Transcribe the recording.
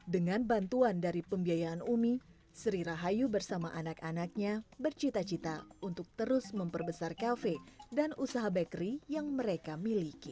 dengan bantuan dari pembiayaan umi sri rahayu bersama anak anaknya bercita cita untuk terus memperbesar kafe dan usaha bakery yang mereka miliki